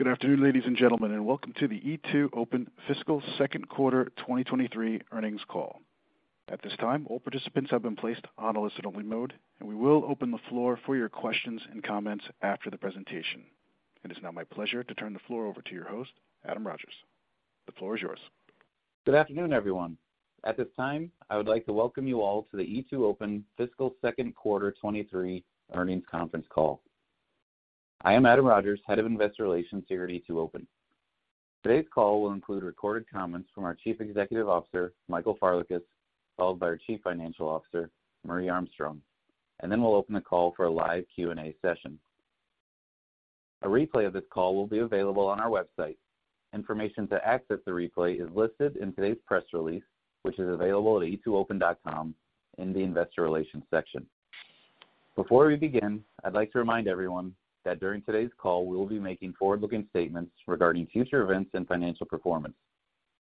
Good afternoon, ladies and gentlemen, and welcome to the E2open fiscal second quarter 2023 earnings call. At this time, all participants have been placed on a listen only mode, and we will open the floor for your questions and comments after the presentation. It is now my pleasure to turn the floor over to your host, Adam Rogers. The floor is yours. Good afternoon, everyone. At this time, I would like to welcome you all to the E2open fiscal second quarter 2023 earnings conference call. I am Adam Rogers, Head of Investor Relations here at E2open. Today's call will include recorded comments from our Chief Executive Officer, Michael Farlekas, followed by our Chief Financial Officer, Marje Armstrong, and then we'll open the call for a live Q&A session. A replay of this call will be available on our website. Information to access the replay is listed in today's press release, which is available at e2open.com in the Investor Relations section. Before we begin, I'd like to remind everyone that during today's call, we will be making forward-looking statements regarding future events and financial performance,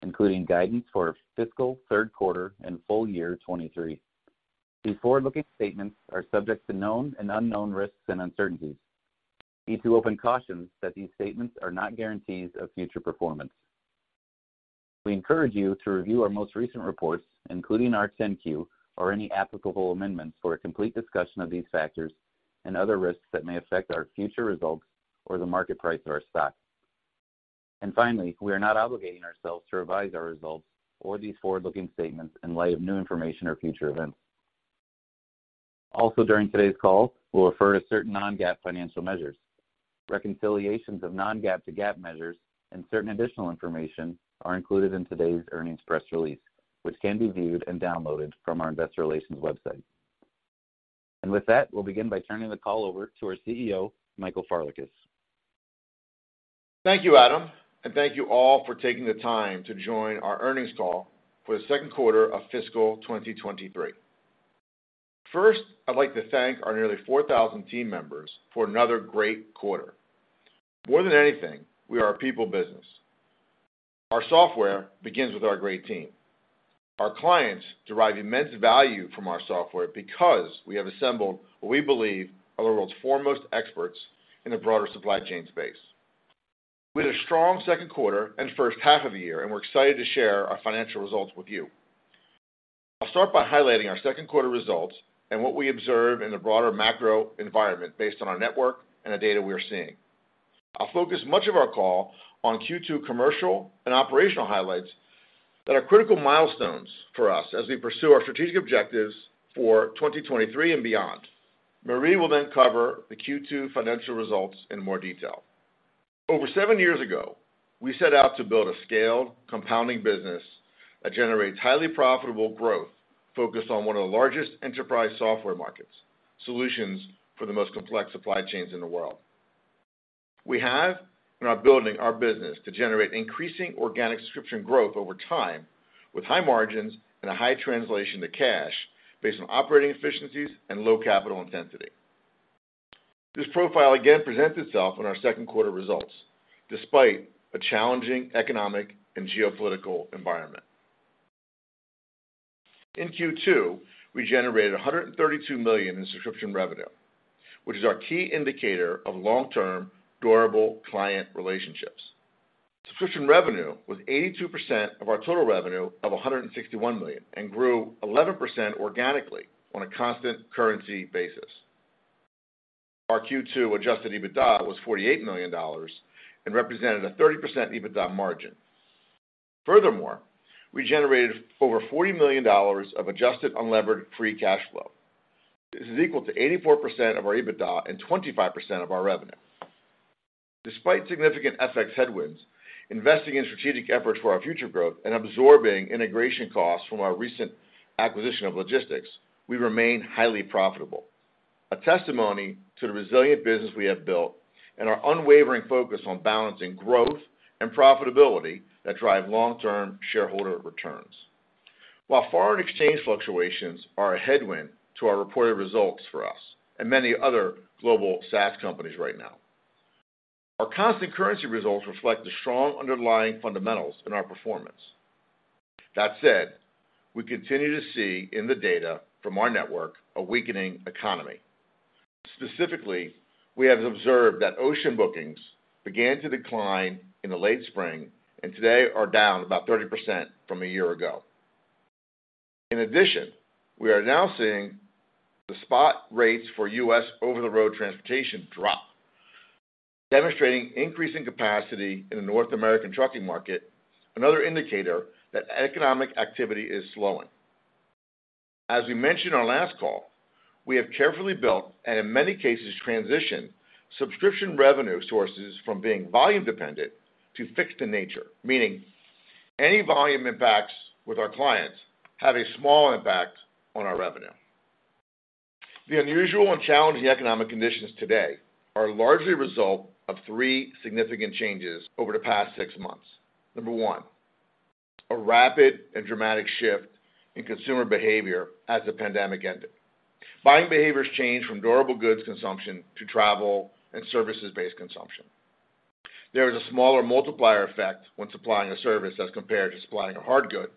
including guidance for fiscal third quarter and full year 2023. These forward-looking statements are subject to known and unknown risks and uncertainties. E2open cautions that these statements are not guarantees of future performance. We encourage you to review our most recent reports, including our 10-Q or any applicable amendments, for a complete discussion of these factors and other risks that may affect our future results or the market price of our stock. Finally, we are not obligating ourselves to revise our results or these forward-looking statements in light of new information or future events. Also, during today's call, we'll refer to certain non-GAAP financial measures. Reconciliations of non-GAAP to GAAP measures and certain additional information are included in today's earnings press release, which can be viewed and downloaded from our investor relations website. With that, we'll begin by turning the call over to our CEO, Michael Farlekas. Thank you, Adam, and thank you all for taking the time to join our earnings call for the second quarter of fiscal 2023. First, I'd like to thank our nearly 4,000 team members for another great quarter. More than anything, we are a people business. Our software begins with our great team. Our clients derive immense value from our software because we have assembled what we believe are the world's foremost experts in the broader supply chain space. We had a strong second quarter and first half of the year, and we're excited to share our financial results with you. I'll start by highlighting our second quarter results and what we observe in the broader macro environment based on our network and the data we are seeing. I'll focus much of our call on Q2 commercial and operational highlights that are critical milestones for us as we pursue our strategic objectives for 2023 and beyond. Marje will then cover the Q2 financial results in more detail. Over seven years ago, we set out to build a scaled, compounding business that generates highly profitable growth focused on one of the largest enterprise software markets, solutions for the most complex supply chains in the world. We have and are building our business to generate increasing organic subscription growth over time with high margins and a high translation to cash based on operating efficiencies and low capital intensity. This profile again presents itself in our second quarter results, despite a challenging economic and geopolitical environment. In Q2, we generated $132 million in subscription revenue, which is our key indicator of long-term durable client relationships. Subscription revenue was 82% of our total revenue of $161 million and grew 11% organically on a constant currency basis. Our Q2 adjusted EBITDA was $48 million and represented a 30% EBITDA margin. Furthermore, we generated over $40 million of adjusted unlevered free cash flow. This is equal to 84% of our EBITDA and 25% of our revenue. Despite significant FX headwinds, investing in strategic efforts for our future growth, and absorbing integration costs from our recent acquisition of Logistyx, we remain highly profitable, a testimony to the resilient business we have built and our unwavering focus on balancing growth and profitability that drive long-term shareholder returns. While foreign exchange fluctuations are a headwind to our reported results for us and many other global SaaS companies right now, our constant currency results reflect the strong underlying fundamentals in our performance. That said, we continue to see in the data from our network a weakening economy. Specifically, we have observed that ocean bookings began to decline in the late spring and today are down about 30% from a year ago. In addition, we are now seeing the spot rates for U.S. over-the-road transportation drop, demonstrating increasing capacity in the North American trucking market, another indicator that economic activity is slowing. As we mentioned on our last call, we have carefully built and in many cases transitioned subscription revenue sources from being volume dependent to fixed in nature, meaning any volume impacts with our clients have a small impact on our revenue. The unusual and challenging economic conditions today are largely a result of three significant changes over the past six months. Number one, a rapid and dramatic shift in consumer behavior as the pandemic ended. Buying behaviors changed from durable goods consumption to travel and services-based consumption. There is a smaller multiplier effect when supplying a service as compared to supplying a hard good.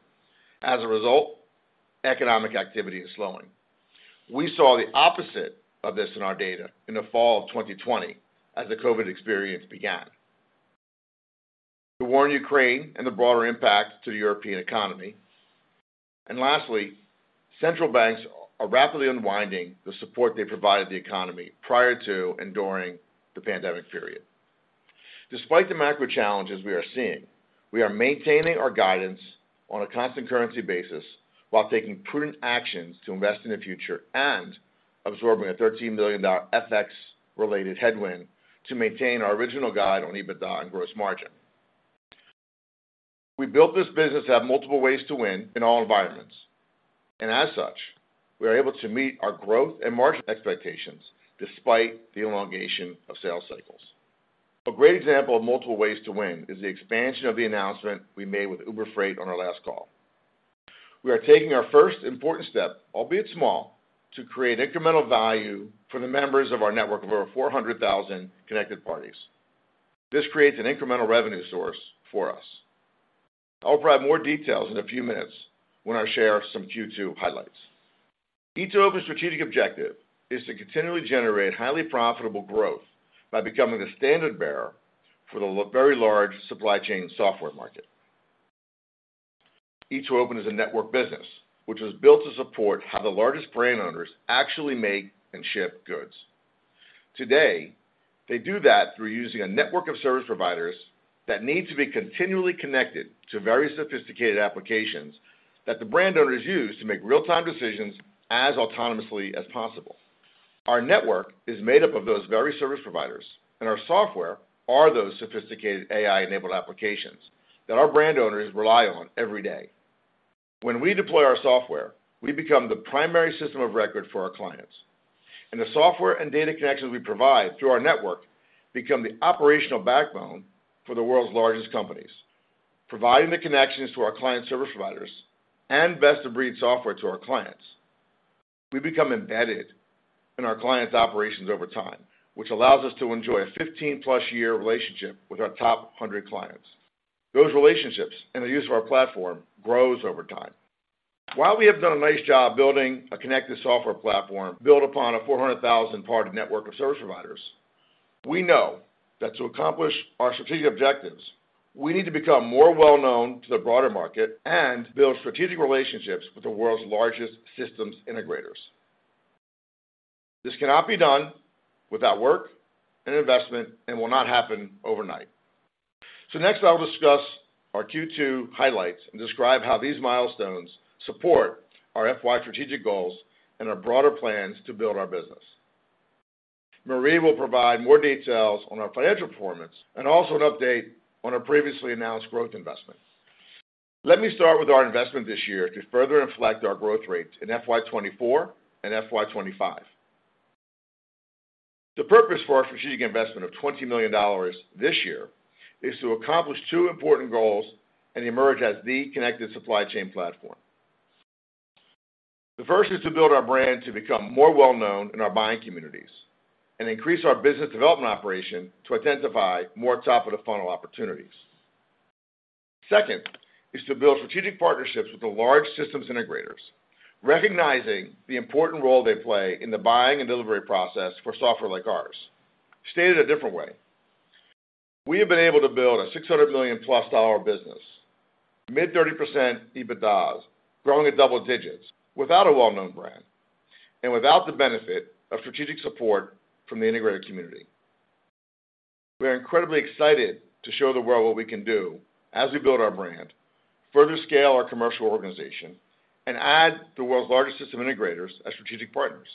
As a result, economic activity is slowing. We saw the opposite of this in our data in the fall of 2020 as the COVID experience began. The war in Ukraine and the broader impact to the European economy. Lastly, central banks are rapidly unwinding the support they provided the economy prior to and during the pandemic period. Despite the macro challenges we are seeing, we are maintaining our guidance on a constant currency basis while taking prudent actions to invest in the future and absorbing a $13 million FX-related headwind to maintain our original guide on EBITDA and gross margin. We built this business to have multiple ways to win in all environments, and as such, we are able to meet our growth and margin expectations despite the elongation of sales cycles. A great example of multiple ways to win is the expansion of the announcement we made with Uber Freight on our last call. We are taking our first important step, albeit small, to create incremental value for the members of our network of over 400,000 connected parties. This creates an incremental revenue source for us. I'll provide more details in a few minutes when I share some Q2 highlights. E2open's strategic objective is to continually generate highly profitable growth by becoming the standard bearer for the very large supply chain software market. E2open is a network business which was built to support how the largest brand owners actually make and ship goods. Today, they do that through using a network of service providers that need to be continually connected to very sophisticated applications that the brand owners use to make real-time decisions as autonomously as possible. Our network is made up of those very service providers, and our software are those sophisticated AI-enabled applications that our brand owners rely on every day. When we deploy our software, we become the primary system of record for our clients. The software and data connections we provide through our network become the operational backbone for the world's largest companies, providing the connections to our client service providers and best-of-breed software to our clients. We become embedded in our clients' operations over time, which allows us to enjoy a 15+ year relationship with our top 100 clients. Those relationships and the use of our platform grows over time. While we have done a nice job building a connected software platform built upon a 400,000-party network of service providers, we know that to accomplish our strategic objectives, we need to become more well known to the broader market and build strategic relationships with the world's largest systems integrators. This cannot be done without work and investment and will not happen overnight. Next I'll discuss our Q2 highlights and describe how these milestones support our FY strategic goals and our broader plans to build our business. Marje will provide more details on our financial performance and also an update on our previously announced growth investment. Let me start with our investment this year to further inflect our growth rates in FY 2024 and FY 2025. The purpose for our strategic investment of $20 million this year is to accomplish two important goals and emerge as the connected supply chain platform. The first is to build our brand to become more well known in our buying communities and increase our business development operation to identify more top of the funnel opportunities. Second is to build strategic partnerships with the large systems integrators, recognizing the important role they play in the buying and delivery process for software like ours. Stated a different way, we have been able to build a $600 million plus business, mid-30% EBITDA, growing at double digits without a well-known brand and without the benefit of strategic support from the integrated community. We are incredibly excited to show the world what we can do as we build our brand, further scale our commercial organization, and add the world's largest system integrators as strategic partners.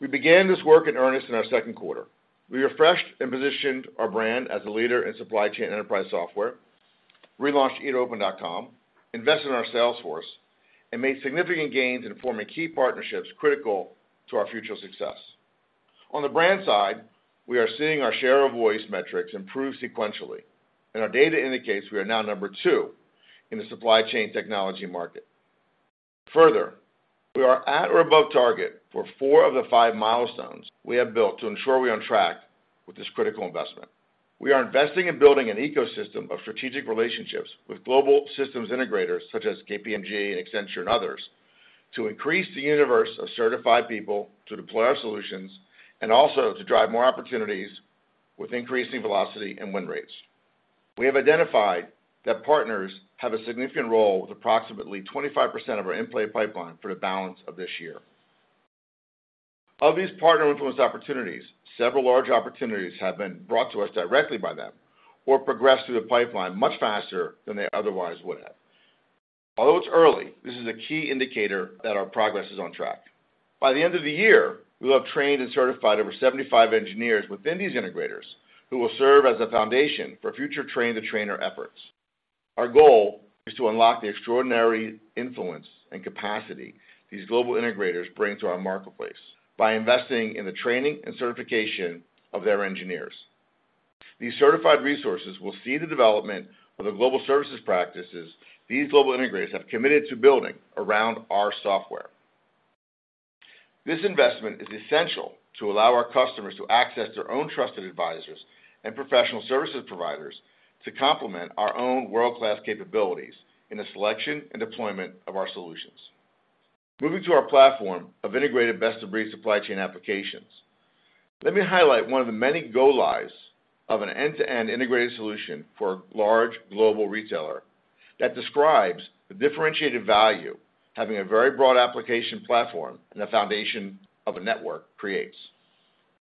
We began this work in earnest in our second quarter. We refreshed and positioned our brand as a leader in supply chain enterprise software, relaunched e2open.com, invested in our sales force, and made significant gains in forming key partnerships critical to our future success. On the brand side, we are seeing our share of voice metrics improve sequentially, and our data indicates we are now number two in the supply chain technology market. Further, we are at or above target for four of the five milestones we have built to ensure we are on track with this critical investment. We are investing in building an ecosystem of strategic relationships with global systems integrators such as KPMG and Accenture and others to increase the universe of certified people to deploy our solutions and also to drive more opportunities with increasing velocity and win rates. We have identified that partners have a significant role with approximately 25% of our in play pipeline for the balance of this year. Of these partner influenced opportunities, several large opportunities have been brought to us directly by them or progressed through the pipeline much faster than they otherwise would have. Although it's early, this is a key indicator that our progress is on track. By the end of the year, we will have trained and certified over 75 engineers within these integrators who will serve as the foundation for future train the trainer efforts. Our goal is to unlock the extraordinary influence and capacity these global integrators bring to our marketplace by investing in the training and certification of their engineers. These certified resources will see the development of the global services practices these global integrators have committed to building around our software. This investment is essential to allow our customers to access their own trusted advisors and professional services providers to complement our own world-class capabilities in the selection and deployment of our solutions. Moving to our platform of integrated best-of-breed supply chain applications. Let me highlight one of the many go-lives of an end-to-end integrated solution for a large global retailer that describes the differentiated value. Having a very broad application platform and the foundation of a network creates.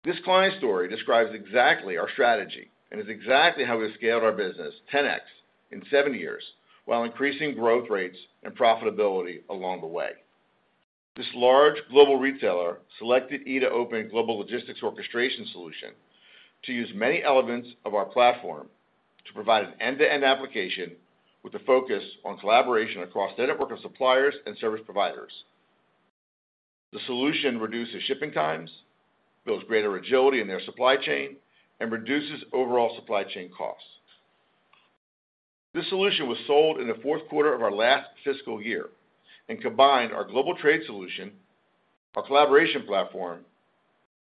This client story describes exactly our strategy and is exactly how we've scaled our business 10x in seven years while increasing growth rates and profitability along the way. This large global retailer selected E2open Global Logistics Orchestration solution to use many elements of our platform to provide an end-to-end application with a focus on collaboration across their network of suppliers and service providers. The solution reduces shipping times, builds greater agility in their supply chain, and reduces overall supply chain costs. This solution was sold in the fourth quarter of our last fiscal year and combined our global trade solution, our collaboration platform,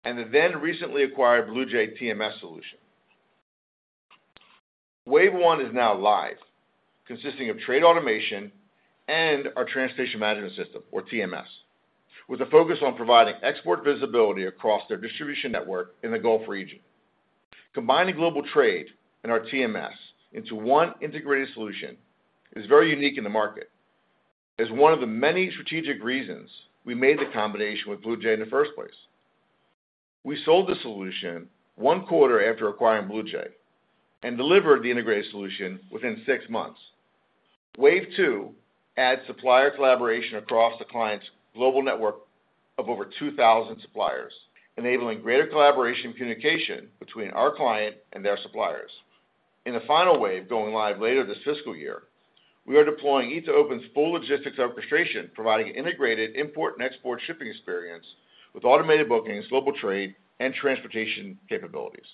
and the then recently acquired BluJay TMS solution. Wave one is now live, consisting of trade automation and our transportation management system, or TMS, with a focus on providing export visibility across their distribution network in the Gulf region. Combining global trade and our TMS into one integrated solution is very unique in the market. As one of the many strategic reasons we made the combination with BluJay in the first place. We sold the solution one quarter after acquiring BluJay and delivered the integrated solution within six months. Wave two adds supplier collaboration across the client's global network of over 2,000 suppliers, enabling greater collaboration communication between our client and their suppliers. In the final wave, going live later this fiscal year, we are deploying E2open's full logistics orchestration, providing integrated import and export shipping experience with automated bookings, global trade, and transportation capabilities.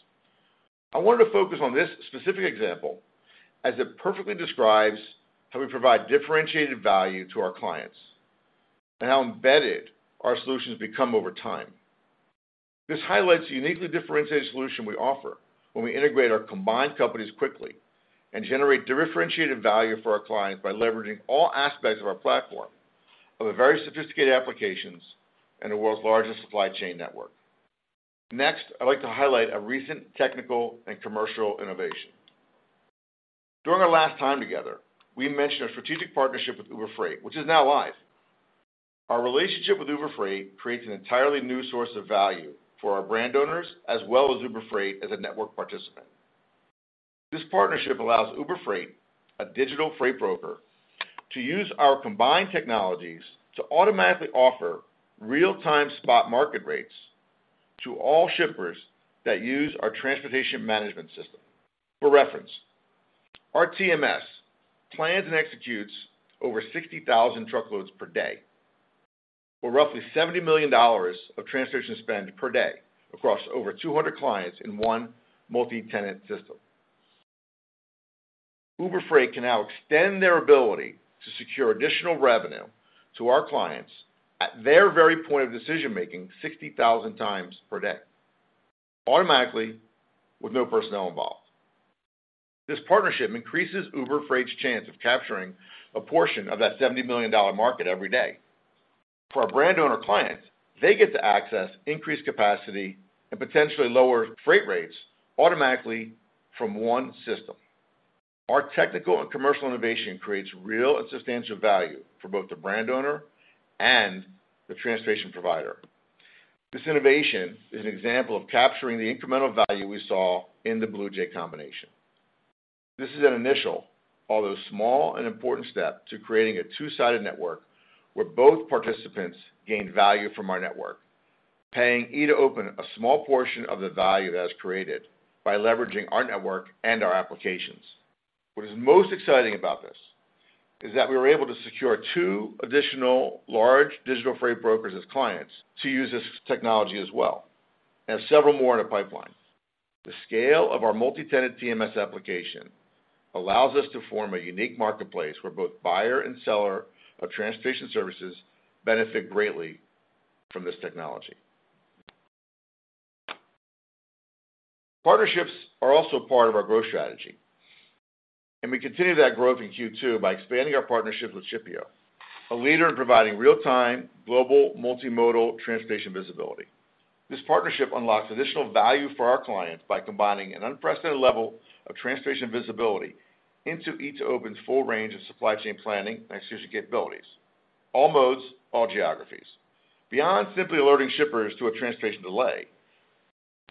I wanted to focus on this specific example as it perfectly describes how we provide differentiated value to our clients and how embedded our solutions become over time. This highlights the uniquely differentiated solution we offer when we integrate our combined companies quickly and generate differentiated value for our clients by leveraging all aspects of our platform of very sophisticated applications and the world's largest supply chain network. Next, I'd like to highlight a recent technical and commercial innovation. During our last time together, we mentioned a strategic partnership with Uber Freight, which is now live. Our relationship with Uber Freight creates an entirely new source of value for our brand owners as well as Uber Freight as a network participant. This partnership allows Uber Freight, a digital freight broker, to use our combined technologies to automatically offer real-time spot market rates to all shippers that use our transportation management system. For reference, our TMS plans and executes over 60,000 truckloads per day, or roughly $70 million of transportation spend per day across over 200 clients in one multi-tenant system. Uber Freight can now extend their ability to secure additional revenue to our clients at their very point of decision-making 60,000 times per day, automatically with no personnel involved. This partnership increases Uber Freight's chance of capturing a portion of that $70 million market every day. For our brand owner clients, they get to access increased capacity and potentially lower freight rates automatically from one system. Our technical and commercial innovation creates real and substantial value for both the brand owner and the transportation provider. This innovation is an example of capturing the incremental value we saw in the BluJay combination. This is an initial, although small and important, step to creating a two-sided network where both participants gain value from our network. Paying E2open a small portion of the value that is created by leveraging our network and our applications. What is most exciting about this is that we were able to secure two additional large digital freight brokers as clients to use this technology as well, and several more in the pipeline. The scale of our multi-tenant TMS application allows us to form a unique marketplace where both buyer and seller of transportation services benefit greatly from this technology. Partnerships are also part of our growth strategy, and we continue that growth in Q2 by expanding our partnership with Shippeo, a leader in providing real-time global multimodal transportation visibility. This partnership unlocks additional value for our clients by combining an unprecedented level of transportation visibility into E2open's full range of supply chain planning and execution capabilities. All modes, all geographies. Beyond simply alerting shippers to a transportation delay,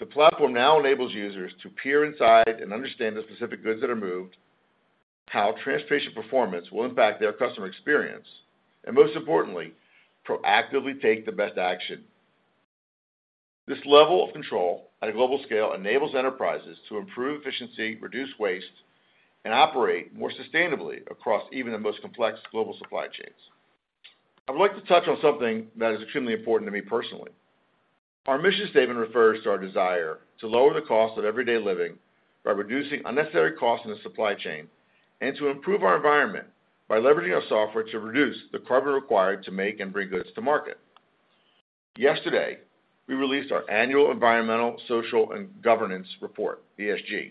the platform now enables users to peer inside and understand the specific goods that are moved, how transportation performance will impact their customer experience, and most importantly, proactively take the best action. This level of control at a global scale enables enterprises to improve efficiency, reduce waste, and operate more sustainably across even the most complex global supply chains. I would like to touch on something that is extremely important to me personally. Our mission statement refers to our desire to lower the cost of everyday living by reducing unnecessary costs in the supply chain and to improve our environment by leveraging our software to reduce the carbon required to make and bring goods to market. Yesterday, we released our annual environmental, social, and governance report, ESG.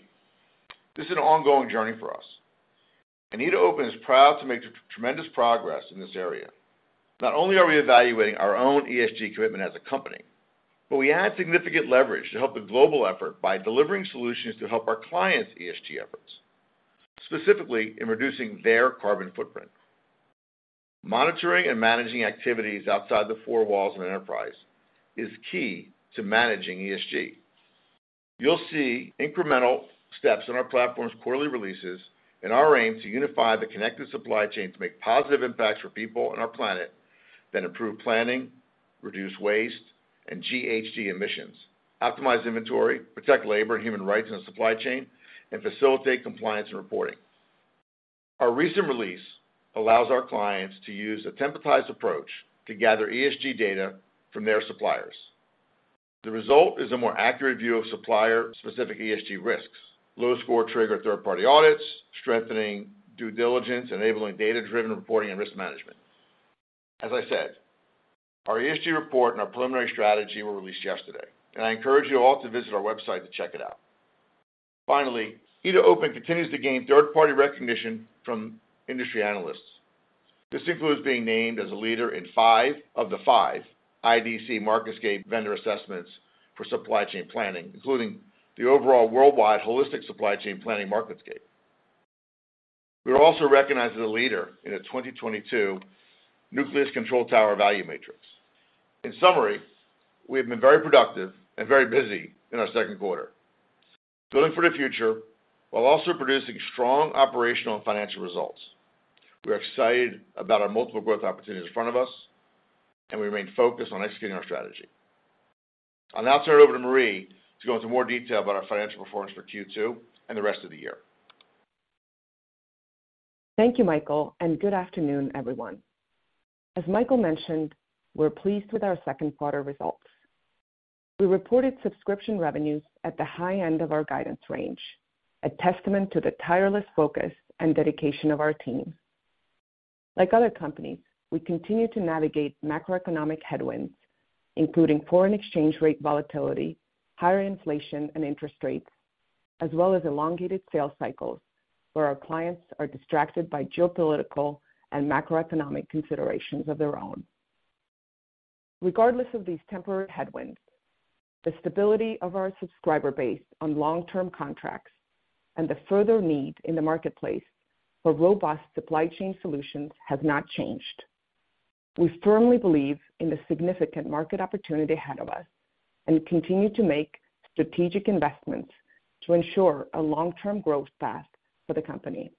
This is an ongoing journey for us. E2open is proud to make tremendous progress in this area. Not only are we evaluating our own ESG commitment as a company, but we add significant leverage to help the global effort by delivering solutions to help our clients' ESG efforts, specifically in reducing their carbon footprint. Monitoring and managing activities outside the four walls of an enterprise is key to managing ESG. You'll see incremental steps in our platform's quarterly releases and our aim to unify the connected supply chain to make positive impacts for people and our planet that improve planning, reduce waste and GHG emissions, optimize inventory, protect labor and human rights in the supply chain, and facilitate compliance and reporting. Our recent release allows our clients to use a templatized approach to gather ESG data from their suppliers. The result is a more accurate view of supplier-specific ESG risks. Low score trigger third-party audits, strengthening due diligence, enabling data-driven reporting and risk management. As I said, our ESG report and our preliminary strategy were released yesterday, and I encourage you all to visit our website to check it out. Finally, E2open continues to gain third-party recognition from industry analysts. This includes being named as a leader in five of the five IDC MarketScape vendor assessments for supply chain planning, including the overall worldwide holistic supply chain planning MarketScape. We were also recognized as a leader in the 2022 Nucleus Control Tower Value Matrix. In summary, we have been very productive and very busy in our second quarter, building for the future while also producing strong operational and financial results. We are excited about our multiple growth opportunities in front of us, and we remain focused on executing our strategy. I'll now turn it over to Marje to go into more detail about our financial performance for Q2 and the rest of the year. Thank you, Michael, and good afternoon, everyone. As Michael mentioned, we're pleased with our second quarter results. We reported subscription revenues at the high end of our guidance range, a testament to the tireless focus and dedication of our team. Like other companies, we continue to navigate macroeconomic headwinds, including foreign exchange rate volatility, higher inflation and interest rates, as well as elongated sales cycles, where our clients are distracted by geopolitical and macroeconomic considerations of their own. Regardless of these temporary headwinds, the stability of our subscriber base on long-term contracts and the further need in the marketplace for robust supply chain solutions has not changed. We firmly believe in the significant market opportunity ahead of us and continue to make strategic investments to ensure a long-term growth path for the company.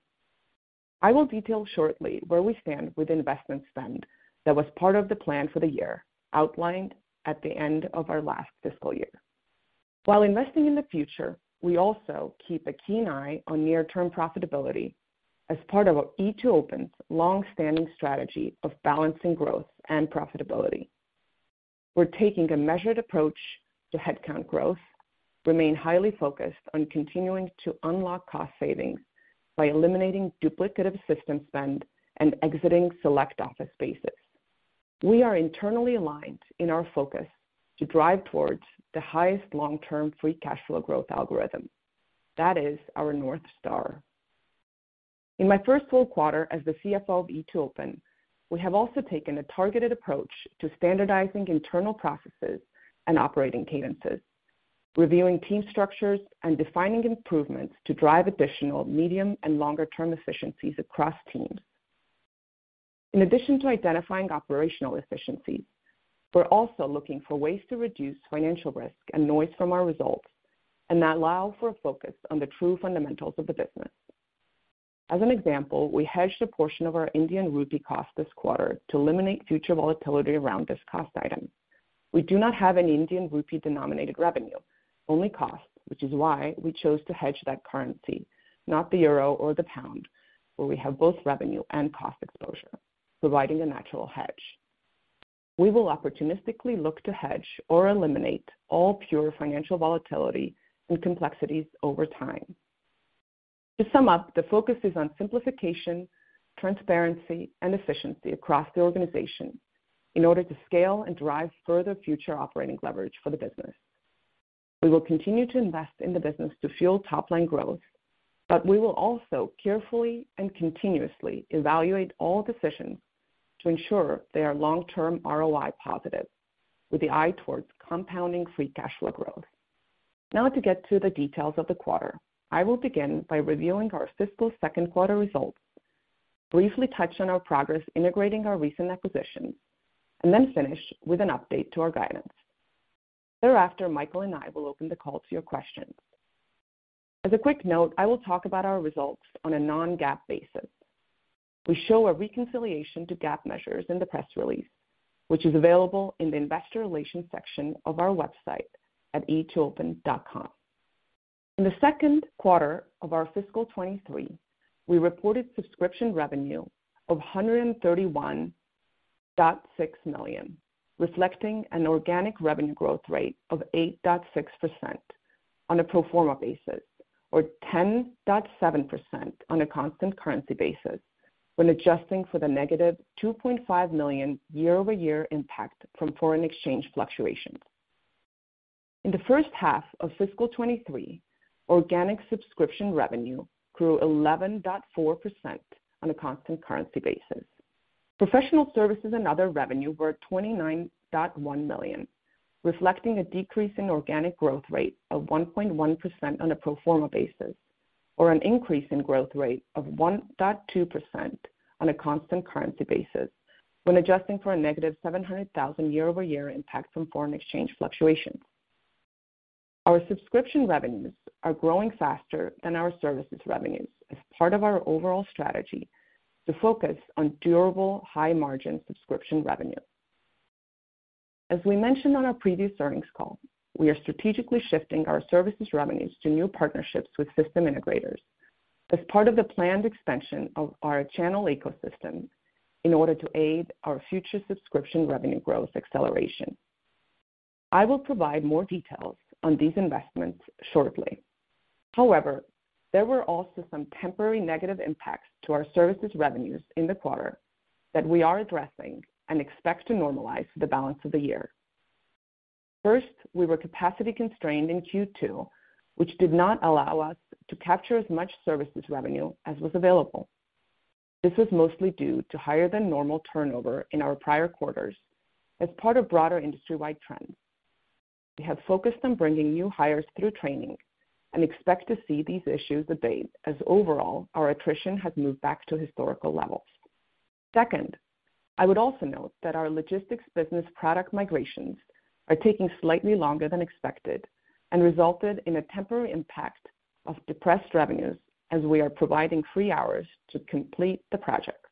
I will detail shortly where we stand with investment spend that was part of the plan for the year outlined at the end of our last fiscal year. While investing in the future, we also keep a keen eye on near term profitability as part of E2open's long-standing strategy of balancing growth and profitability. We're taking a measured approach to headcount growth, remain highly focused on continuing to unlock cost savings by eliminating duplicative system spend, and exiting select office spaces. We are internally aligned in our focus to drive towards the highest long-term free cash flow growth algorithm. That is our North Star. In my first full quarter as the CFO of E2open, we have also taken a targeted approach to standardizing internal processes and operating cadences, reviewing team structures, and defining improvements to drive additional medium and longer term efficiencies across teams. In addition to identifying operational efficiencies, we're also looking for ways to reduce financial risk and noise from our results and that allow for a focus on the true fundamentals of the business. As an example, we hedged a portion of our Indian rupee cost this quarter to eliminate future volatility around this cost item. We do not have any Indian rupee denominated revenue, only cost, which is why we chose to hedge that currency, not the euro or the pound, where we have both revenue and cost exposure, providing a natural hedge. We will opportunistically look to hedge or eliminate all pure financial volatility and complexities over time. To sum up, the focus is on simplification, transparency, and efficiency across the organization in order to scale and drive further future operating leverage for the business. We will continue to invest in the business to fuel top line growth, but we will also carefully and continuously evaluate all decisions to ensure they are long-term ROI positive with the eye towards compounding free cash flow growth. Now to get to the details of the quarter. I will begin by reviewing our fiscal second quarter results, briefly touch on our progress integrating our recent acquisitions, and then finish with an update to our guidance. Thereafter, Michael and I will open the call to your questions. As a quick note, I will talk about our results on a non-GAAP basis. We show a reconciliation to GAAP measures in the press release, which is available in the investor relations section of our website at e2open.com. In the second quarter of our fiscal 2023, we reported subscription revenue of $131.6 million, reflecting an organic revenue growth rate of 8.6%. On a pro forma basis, or 10.7% on a constant currency basis when adjusting for the negative $2.5 million year-over-year impact from foreign exchange fluctuations. In the first half of fiscal 2023, organic subscription revenue grew 11.4% on a constant currency basis. Professional services and other revenue were $29.1 million, reflecting a decrease in organic growth rate of 1.1% on a pro forma basis, or an increase in growth rate of 1.2% on a constant currency basis when adjusting for a negative $700,000 year-over-year impact from foreign exchange fluctuations. Our subscription revenues are growing faster than our services revenues as part of our overall strategy to focus on durable high-margin subscription revenue. As we mentioned on our previous earnings call, we are strategically shifting our services revenues to new partnerships with system integrators as part of the planned expansion of our channel ecosystem in order to aid our future subscription revenue growth acceleration. I will provide more details on these investments shortly. However, there were also some temporary negative impacts to our services revenues in the quarter that we are addressing and expect to normalize for the balance of the year. First, we were capacity constrained in Q2, which did not allow us to capture as much services revenue as was available. This was mostly due to higher than normal turnover in our prior quarters as part of broader industry-wide trends. We have focused on bringing new hires through training and expect to see these issues abate as overall our attrition has moved back to historical levels. Second, I would also note that our logistics business product migrations are taking slightly longer than expected and resulted in a temporary impact of depressed revenues as we are providing free hours to complete the project.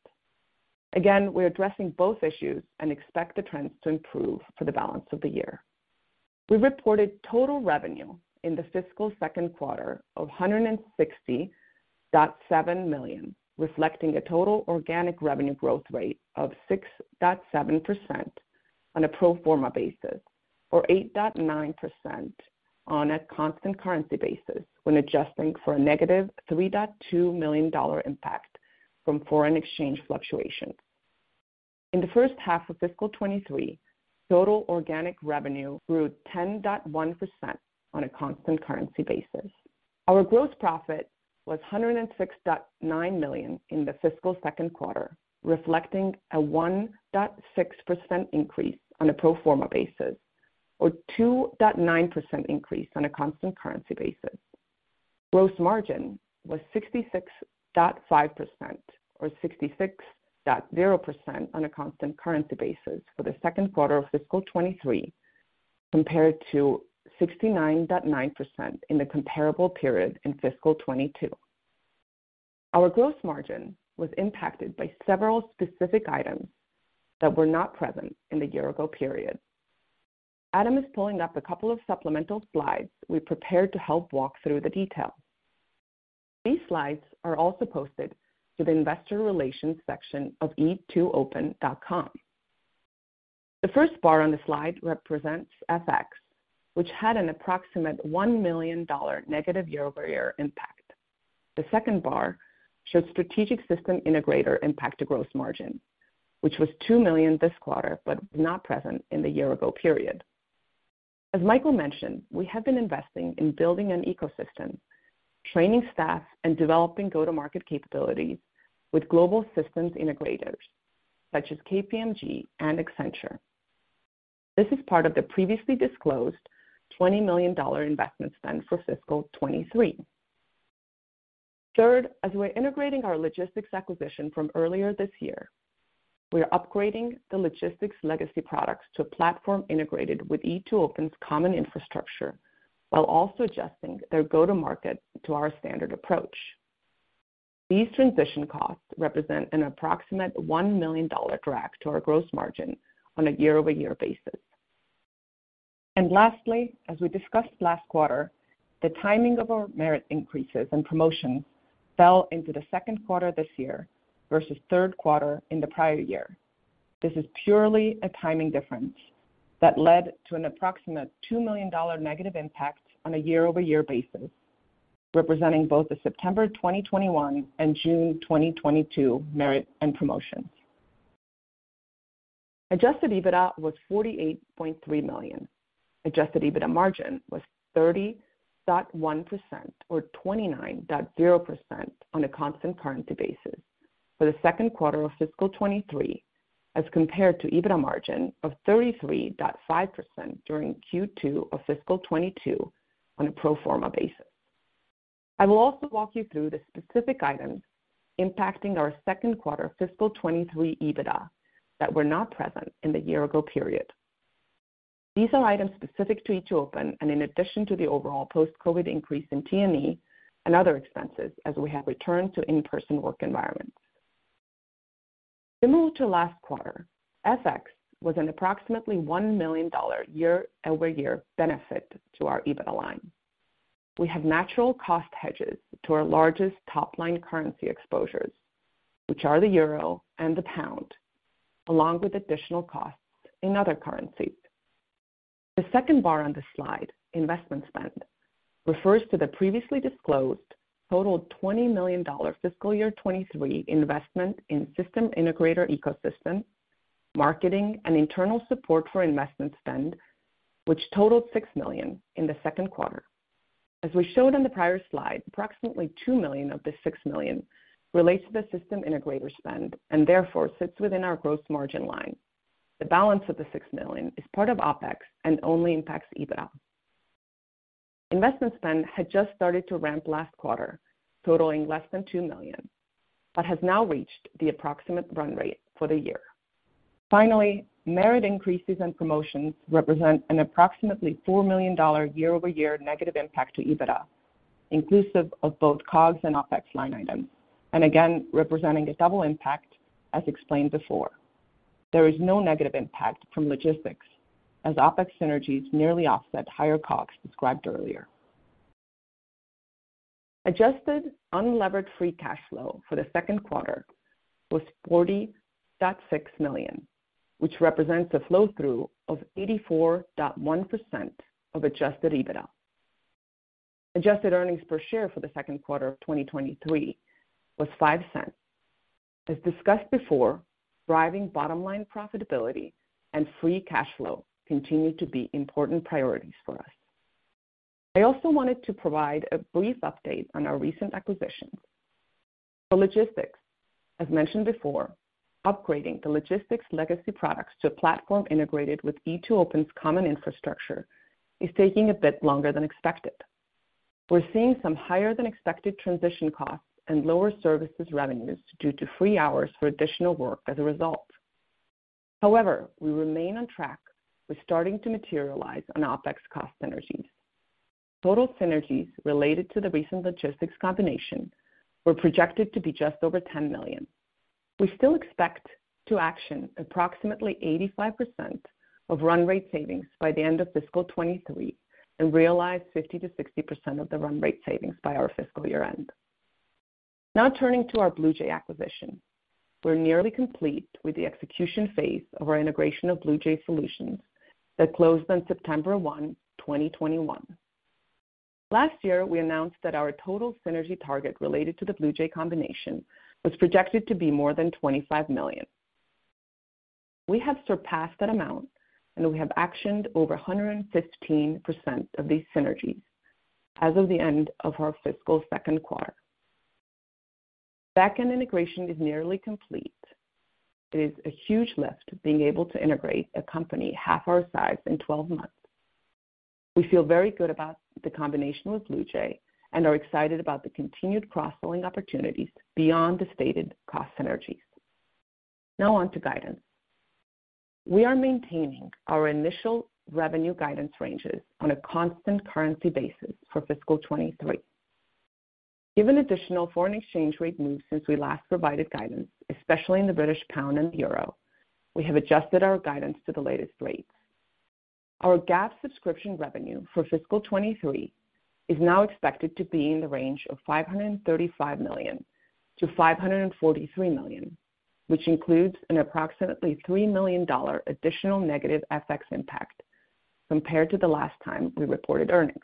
Again, we're addressing both issues and expect the trends to improve for the balance of the year. We reported total revenue in the fiscal second quarter of $160.7 million, reflecting a total organic revenue growth rate of 6.7% on a pro forma basis, or 8.9% on a constant currency basis when adjusting for a negative $3.2 million impact from foreign exchange fluctuations. In the first half of fiscal 2023, total organic revenue grew 10.1% on a constant currency basis. Our gross profit was $106.9 million in the fiscal second quarter, reflecting a 1.6% increase on a pro forma basis, or 2.9% increase on a constant currency basis. Gross margin was 66.5%, or 66.0% on a constant currency basis for the second quarter of fiscal 2023, compared to 69.9% in the comparable period in fiscal 2022. Our gross margin was impacted by several specific items that were not present in the year ago period. Adam is pulling up a couple of supplemental slides we prepared to help walk through the details. These slides are also posted to the investor relations section of e2open.com. The first bar on the slide represents FX, which had an approximate $1 million negative year-over-year impact. The second bar shows strategic system integrator impact to gross margin, which was $2 million this quarter, but not present in the year ago period. As Michael mentioned, we have been investing in building an ecosystem, training staff, and developing go-to-market capabilities with global systems integrators such as KPMG and Accenture. This is part of the previously disclosed $20 million investment spend for fiscal 2023. Third, as we're integrating our logistics acquisition from earlier this year, we are upgrading the logistics legacy products to a platform integrated with E2open's common infrastructure while also adjusting their go-to-market to our standard approach. These transition costs represent an approximate $1 million drag to our gross margin on a year-over-year basis. Lastly, as we discussed last quarter, the timing of our merit increases and promotions fell into the second quarter this year versus third quarter in the prior year. This is purely a timing difference that led to an approximate $2 million negative impact on a year-over-year basis, representing both the September 2021 and June 2022 merit and promotions. Adjusted EBITDA was $48.3 million. Adjusted EBITDA margin was 30.1%, or 29.0% on a constant currency basis for the second quarter of fiscal 2023 as compared to EBITDA margin of 33.5% during Q2 of fiscal 2022 on a pro forma basis. I will also walk you through the specific items impacting our second quarter fiscal 2023 EBITDA that were not present in the year ago period. These are items specific to E2open, and in addition to the overall post-COVID increase in T&E and other expenses as we have returned to in-person work environments. Similar to last quarter, FX was an approximately $1 million year-over-year benefit to our EBITDA line. We have natural cost hedges to our largest top-line currency exposures, which are the euro and the pound, along with additional costs in other currencies. The second bar on this slide, investment spend, refers to the previously disclosed total $20 million fiscal year 2023 investment in system integrator ecosystem, marketing, and internal support for investment spend, which totaled $6 million in the second quarter. As we showed on the prior slide, approximately $2 million of this $6 million relates to the system integrator spend, and therefore sits within our gross margin line. The balance of the $6 million is part of OpEx and only impacts EBITDA. Investment spend had just started to ramp last quarter, totaling less than $2 million, but has now reached the approximate run rate for the year. Finally, merit increases and promotions represent an approximately $4 million year-over-year negative impact to EBITDA, inclusive of both COGS and OpEx line items, and again, representing a double impact, as explained before. There is no negative impact from logistics, as OpEx synergies nearly offset higher COGS described earlier. Adjusted unlevered free cash flow for the second quarter was $40.6 million, which represents a flow-through of 84.1% of adjusted EBITDA. Adjusted earnings per share for the second quarter of 2023 was $0.05. As discussed before, driving bottom line profitability and free cash flow continue to be important priorities for us. I also wanted to provide a brief update on our recent acquisitions. For logistics, as mentioned before, upgrading the logistics legacy products to a platform integrated with E2open's common infrastructure is taking a bit longer than expected. We're seeing some higher than expected transition costs and lower services revenues due to free hours for additional work as a result. However, we remain on track with starting to materialize on OpEx cost synergies. Total synergies related to the recent logistics combination were projected to be just over $10 million. We still expect to achieve approximately 85% of run rate savings by the end of fiscal 2023 and realize 50%-60% of the run rate savings by our fiscal year-end. Now turning to our BluJay acquisition. We're nearly complete with the execution phase of our integration of BluJay solutions that closed on September 1, 2021. Last year, we announced that our total synergy target related to the BluJay combination was projected to be more than $25 million. We have surpassed that amount, and we have actioned over 115% of these synergies as of the end of our fiscal second quarter. Backend integration is nearly complete. It is a huge lift being able to integrate a company half our size in 12 months. We feel very good about the combination with BluJay and are excited about the continued cross-selling opportunities beyond the stated cost synergies. Now on to guidance. We are maintaining our initial revenue guidance ranges on a constant currency basis for fiscal 2023. Given additional foreign exchange rate moves since we last provided guidance, especially in the British pound and the euro, we have adjusted our guidance to the latest rates. Our GAAP subscription revenue for fiscal 2023 is now expected to be in the range of $535 million-$543 million, which includes an approximately $3 million additional negative FX impact compared to the last time we reported earnings.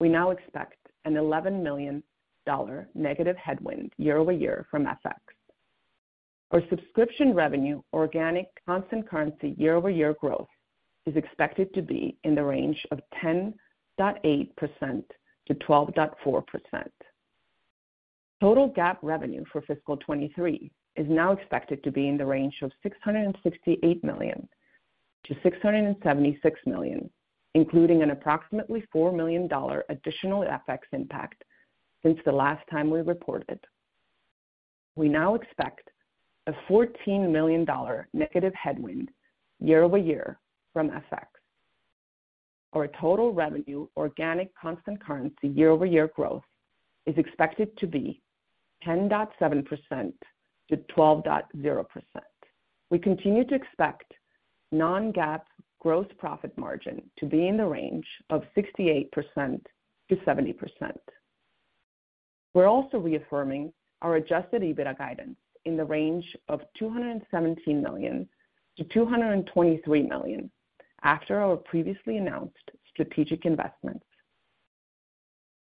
We now expect an $11 million negative headwind year-over-year from FX. Our subscription revenue organic constant currency year-over-year growth is expected to be in the range of 10.8%-12.4%. Total GAAP revenue for fiscal 2023 is now expected to be in the range of $668 million-$676 million, including an approximately $4 million additional FX impact since the last time we reported. We now expect a $14 million negative headwind year-over-year from FX. Our total revenue organic constant-currency year-over-year growth is expected to be 10.7%-12.0%. We continue to expect non-GAAP gross profit margin to be in the range of 68%-70%. We're also reaffirming our adjusted EBITDA guidance in the range of $217 million-$223 million after our previously announced strategic investments.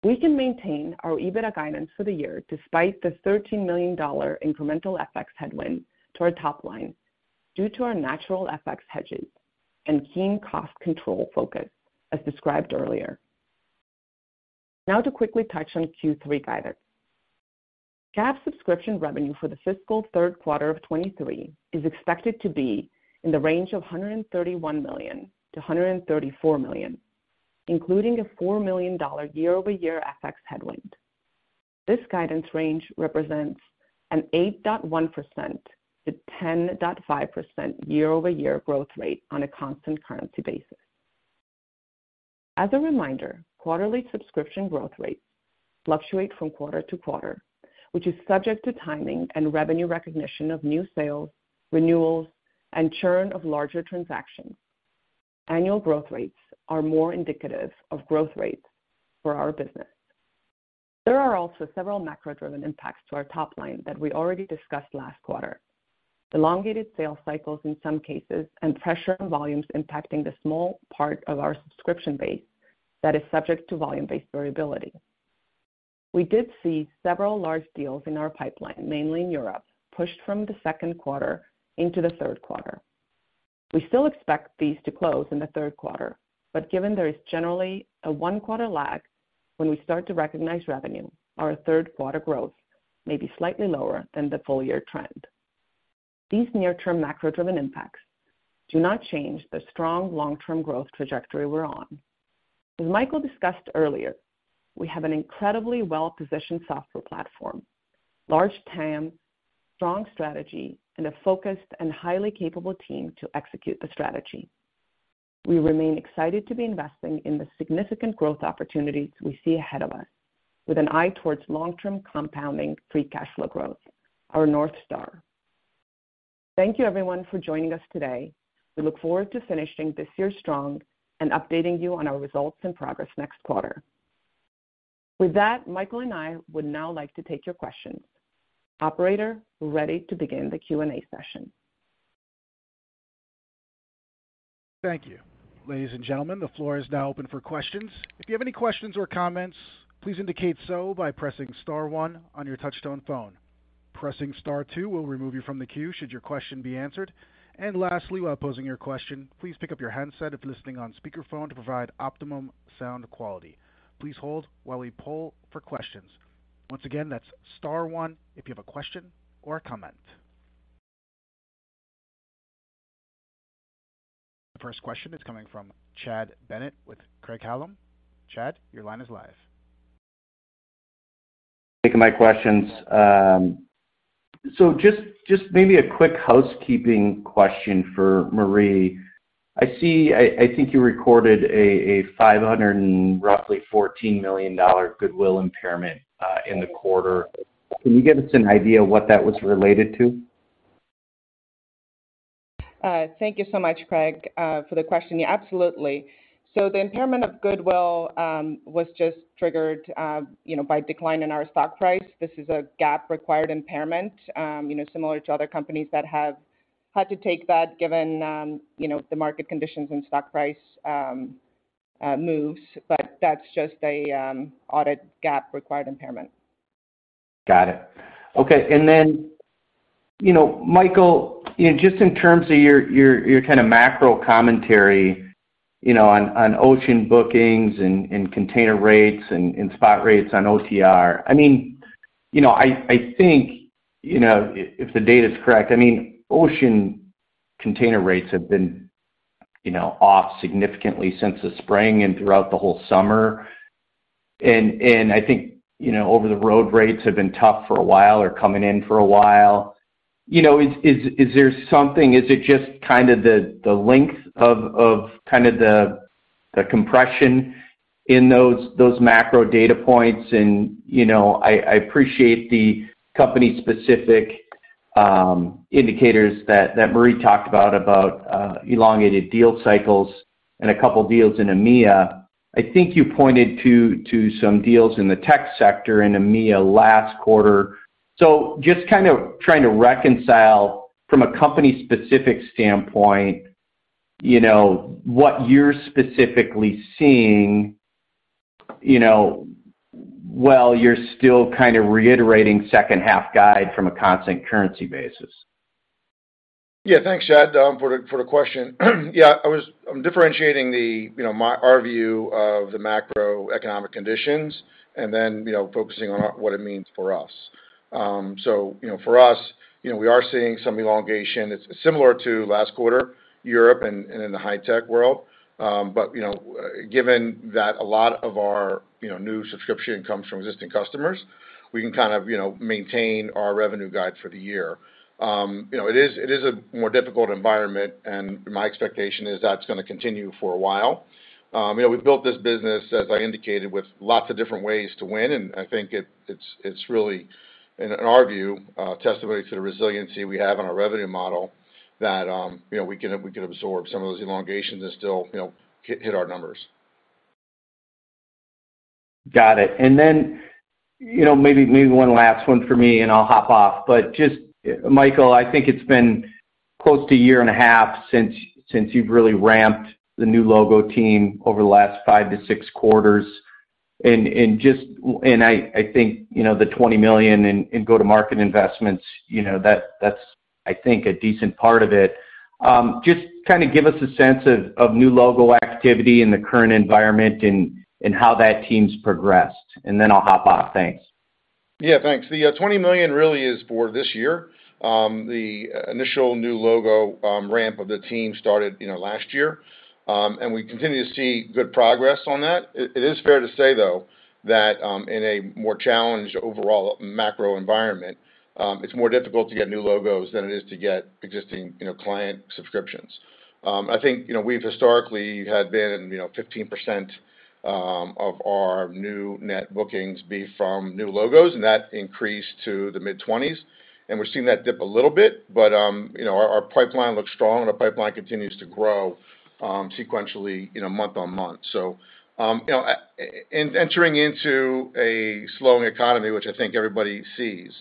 We can maintain our EBITDA guidance for the year despite the $13 million incremental FX headwind to our top line due to our natural FX hedges and keen cost control focus, as described earlier. Now to quickly touch on Q3 guidance. GAAP subscription revenue for the fiscal third quarter of 2023 is expected to be in the range of $131 million-$134 million, including a $4 million year-over-year FX headwind. This guidance range represents an 8.1%-10.5% year-over-year growth rate on a constant currency basis. As a reminder, quarterly subscription growth rates fluctuate from quarter to quarter, which is subject to timing and revenue recognition of new sales, renewals, and churn of larger transactions. Annual growth rates are more indicative of growth rates for our business. There are also several macro-driven impacts to our top line that we already discussed last quarter. Elongated sales cycles in some cases and pressure on volumes impacting the small part of our subscription base that is subject to volume-based variability. We did see several large deals in our pipeline, mainly in Europe, pushed from the second quarter into the third quarter. We still expect these to close in the third quarter, but given there is generally a one-quarter lag when we start to recognize revenue, our third quarter growth may be slightly lower than the full year trend. These near-term macro-driven impacts do not change the strong long-term growth trajectory we're on. As Michael discussed earlier, we have an incredibly well-positioned software platform, large TAM, strong strategy, and a focused and highly capable team to execute the strategy. We remain excited to be investing in the significant growth opportunities we see ahead of us with an eye towards long-term compounding free cash flow growth, our North Star. Thank you everyone for joining us today. We look forward to finishing this year strong and updating you on our results and progress next quarter. With that, Michael and I would now like to take your questions. Operator, we're ready to begin the Q&A session. Thank you. Ladies and gentlemen, the floor is now open for questions. If you have any questions or comments, please indicate so by pressing star one on your touchtone phone. Pressing star two will remove you from the queue should your question be answered. Lastly, while posing your question, please pick up your handset if listening on speakerphone to provide optimum sound quality. Please hold while we poll for questions. Once again, that's star one if you have a question or a comment. The first question is coming from Chad Bennett with Craig-Hallum. Chad, your line is live. Thank you. My questions. So just maybe a quick housekeeping question for Marje. I see, I think you recorded a roughly $514 million goodwill impairment in the quarter. Can you give us an idea of what that was related to? Thank you so much, Craig, for the question. Yeah, absolutely. The impairment of goodwill was just triggered, you know, by decline in our stock price. This is a GAAP-required impairment, you know, similar to other companies that have had to take that given, you know, the market conditions and stock price moves. That's just an audit GAAP-required impairment. Got it. Okay. Then, you know, Michael, you know, just in terms of your kind of macro commentary, you know, on ocean bookings and container rates and spot rates on OTR. I mean, you know, I think, you know, if the data is correct, I mean, ocean container rates have been, you know, off significantly since the spring and throughout the whole summer. I think, you know, over the road rates have been tough for a while or coming in for a while. You know, is there something? Is it just kind of the length of kind of the compression in those macro data points? You know, I appreciate the company-specific indicators that Marje talked about elongated deal cycles and a couple of deals in EMEA. I think you pointed to some deals in the tech sector in EMEA last quarter. Just kind of trying to reconcile from a company-specific standpoint, you know, what you're specifically seeing, you know, while you're still kind of reiterating second half guide from a constant currency basis. Thanks, Chad, for the question. I'm differentiating our view of the macroeconomic conditions and then, you know, focusing on what it means for us. For us, you know, we are seeing some elongation. It's similar to last quarter, Europe and in the high-tech world. But, you know, given that a lot of our, you know, new subscription comes from existing customers, we can kind of, you know, maintain our revenue guide for the year. You know, it is a more difficult environment, and my expectation is that's gonna continue for a while. You know, we built this business, as I indicated, with lots of different ways to win, and I think it's really, in our view, a testimony to the resiliency we have in our revenue model that, you know, we can absorb some of those elongations and still, you know, hit our numbers. Got it. Then, you know, maybe one last one for me, and I'll hop off. Just, Michael, I think it's been close to a year and a half since you've really ramped the new logo team over the last five to six quarters. I think, you know, the $20 million in go-to-market investments, you know, that's a decent part of it. Just kinda give us a sense of new logo activity in the current environment and how that team's progressed. Then I'll hop off. Thanks. Yeah. Thanks. The $20 million really is for this year. The initial new logo ramp of the team started, you know, last year. We continue to see good progress on that. It is fair to say, though, that in a more challenged overall macro environment, it's more difficult to get new logos than it is to get existing, you know, client subscriptions. I think, you know, we've historically had been, you know, 15% of our new net bookings be from new logos, and that increased to the mid-20s. We're seeing that dip a little bit, but, you know, our pipeline looks strong and our pipeline continues to grow sequentially, you know, month-on-month. Entering into a slowing economy, which I think everybody sees,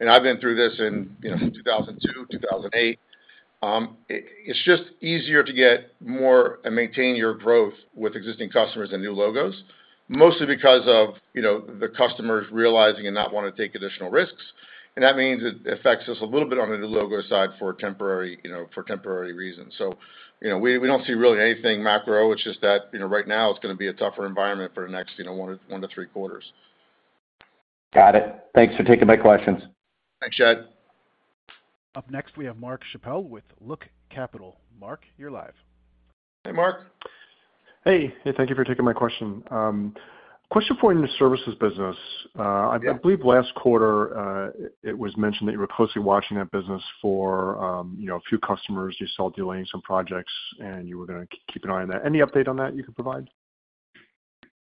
and I've been through this in 2002, 2008, it's just easier to get more and maintain your growth with existing customers than new logos, mostly because of the customers realizing they don't wanna take additional risks. And that means it affects us a little bit on the new logo side for temporary reasons. We don't see really anything macro. It's just that, right now it's gonna be a tougher environment for the next one to three quarters. Got it. Thanks for taking my questions. Thanks, Chad. Up next, we have Mark Schappel with Loop Capital. Mark, you're live. Hey, Mark. Hey. Hey, thank you for taking my question. Question for your services business. Yeah. I believe last quarter, it was mentioned that you were closely watching that business for, you know, a few customers you saw delaying some projects, and you were gonna keep an eye on that. Any update on that you could provide?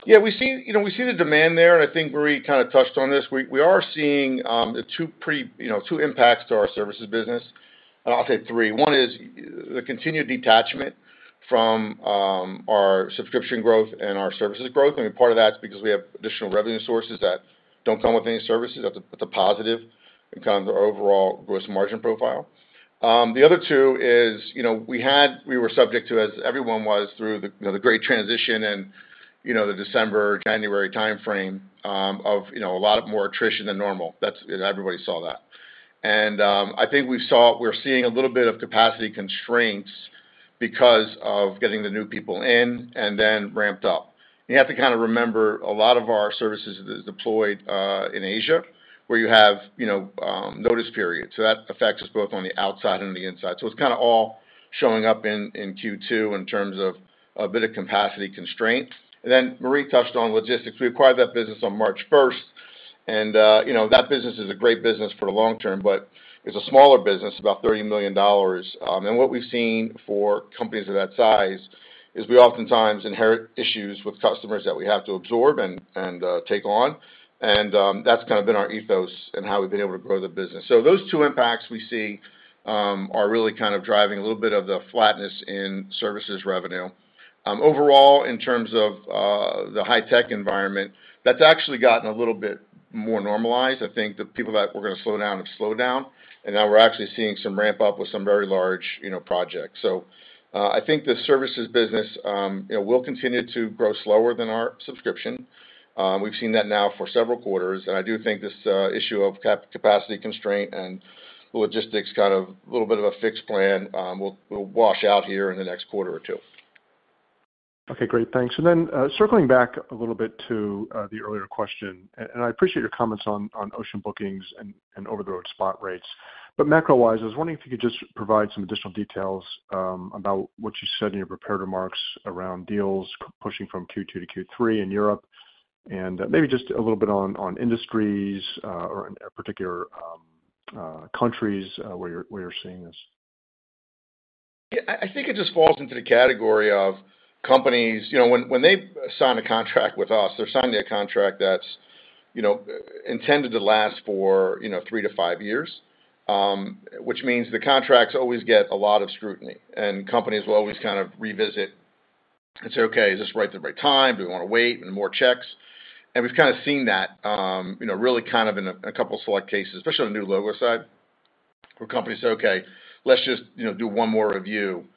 Yeah. We've seen. You know, we see the demand there, and I think Marje kind of touched on this. We are seeing the two pretty, you know, two impacts to our services business, and I'll say three. One is the continued detachment from our subscription growth and our services growth. I mean, part of that's because we have additional revenue sources that don't come with any services. That's a positive in kind of our overall gross margin profile. The other two is, you know, we were subject to, as everyone was through the, you know, The Great Transition and, you know, the December, January timeframe, of, you know, a lot more attrition than normal. That's. Everybody saw that. I think we're seeing a little bit of capacity constraints because of getting the new people in and then ramped up. You have to kinda remember a lot of our services is deployed in Asia, where you have notice periods. That affects us both on the outside and the inside. It's kinda all showing up in Q2 in terms of a bit of capacity constraint. Marje touched on Logistyx. We acquired that business on March 1st, and you know, that business is a great business for the long term, but it's a smaller business, about $30 million. What we've seen for companies of that size is we oftentimes inherit issues with customers that we have to absorb and take on. That's kind of been our ethos and how we've been able to grow the business. Those two impacts we see are really kind of driving a little bit of the flatness in services revenue. Overall, in terms of the high tech environment, that's actually gotten a little bit more normalized. I think the people that were gonna slow down have slowed down, and now we're actually seeing some ramp up with some very large, you know, projects. I think the services business, you know, will continue to grow slower than our subscription. We've seen that now for several quarters, and I do think this issue of capacity constraint and Logistyx kind of a little bit of a fixed plan will wash out here in the next quarter or two. Okay. Great. Thanks. Circling back a little bit to the earlier question, and I appreciate your comments on ocean bookings and over the road spot rates. Macro-wise, I was wondering if you could just provide some additional details about what you said in your prepared remarks around deals pushing from Q2 to Q3 in Europe, and maybe just a little bit on industries or particular countries where you're seeing this. Yeah. I think it just falls into the category of companies. You know, when they sign a contract with us, they're signing a contract that's, you know, intended to last for, you know, three to five years. Which means the contracts always get a lot of scrutiny, and companies will always kind of revisit and say, "Okay, is this the right time? Do we wanna wait?" More checks. We've kinda seen that, you know, really kind of in a couple of select cases, especially on the new logo side, where companies say, "Okay, let's just, you know, do one more review."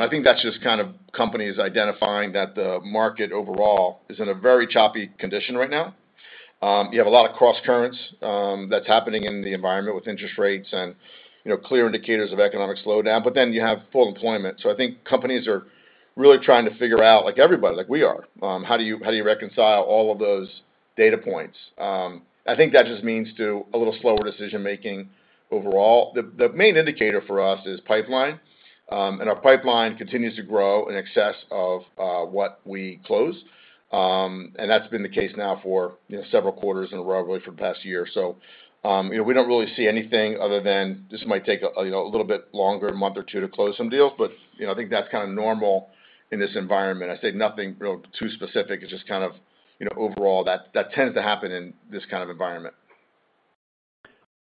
I think that's just kind of companies identifying that the market overall is in a very choppy condition right now. You have a lot of cross currents, that's happening in the environment with interest rates and, you know, clear indicators of economic slowdown, but then you have full employment. I think companies are really trying to figure out, like everybody, like we are, how do you reconcile all of those data points? I think that just means a little slower decision-making overall. The main indicator for us is pipeline. Our pipeline continues to grow in excess of what we close. That's been the case now for, you know, several quarters in a row, really for the past year. We don't really see anything other than this might take a, you know, a little bit longer, a month or two, to close some deals. You know, I think that's kinda normal in this environment. I see nothing really too specific. It's just kind of, you know, overall that tends to happen in this kind of environment.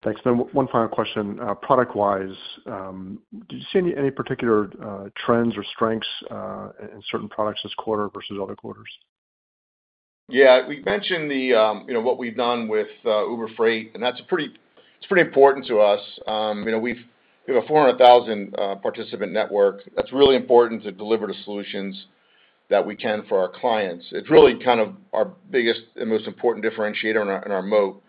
Thanks. One final question. Product-wise, do you see any particular trends or strengths in certain products this quarter versus other quarters? Yeah. We've mentioned the, you know, what we've done with Uber Freight, and that's pretty important to us. You know, we have a 400,000 participant network. That's really important to deliver the solutions that we can for our clients. It's really kind of our biggest and most important differentiator and our moat.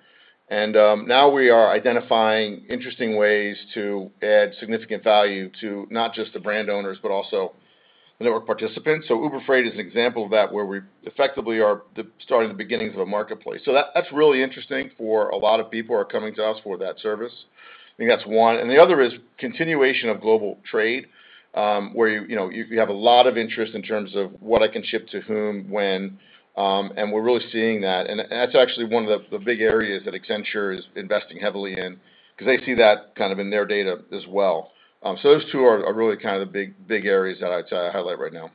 Now we are identifying interesting ways to add significant value to not just the brand owners, but also the network participants. Uber Freight is an example of that, where we effectively are starting the beginnings of a marketplace. That's really interesting for a lot of people who are coming to us for that service. I think that's one. The other is continuation of global trade, where you know you have a lot of interest in terms of what I can ship to whom, when, and we're really seeing that. That's actually one of the big areas that Accenture is investing heavily in because they see that kind of in their data as well. Those two are really kind of the big areas that I'd highlight right now.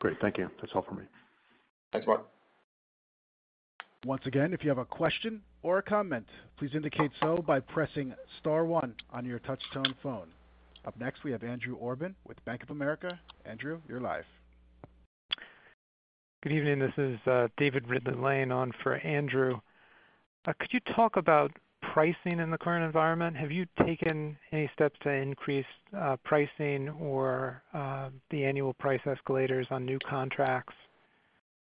Great. Thank you. That's all for me. Thanks, Mark. Once again, if you have a question or a comment, please indicate so by pressing star one on your touchtone phone. Up next, we have Andrew Obin with Bank of America. Andrew, you're live. Good evening. This is David Ridley-Lane on for Andrew. Could you talk about pricing in the current environment? Have you taken any steps to increase pricing or the annual price escalators on new contracts?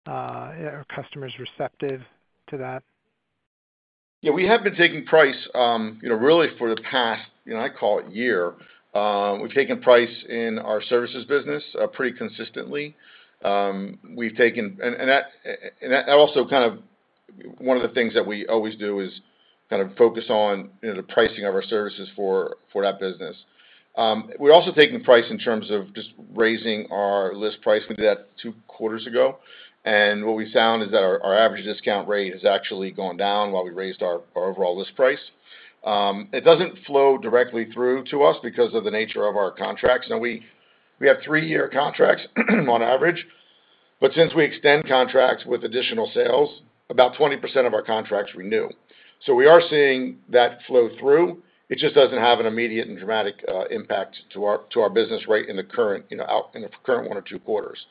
Are customers receptive to that? Yeah, we have been taking price, you know, really for the past, you know, I call it year. We've taken price in our services business, pretty consistently. That also kind of one of the things that we always do is kind of focus on, you know, the pricing of our services for that business. We're also taking price in terms of just raising our list price. We did that two quarters ago, and what we found is that our average discount rate has actually gone down while we raised our overall list price. It doesn't flow directly through to us because of the nature of our contracts. Now we have three-year contracts on average, but since we extend contracts with additional sales, about 20% of our contracts renew. We are seeing that flow through. It just doesn't have an immediate and dramatic impact to our business right in the current, you know, out in the current one or two quarters.